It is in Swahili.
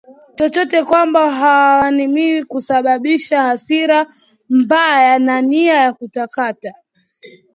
chochote kwamba haaminiwi husababisha hasira mbaya na nia ya kukataa